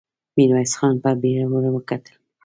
ميرويس خان په بېړه ور وکتل.